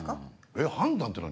えっ判断って何？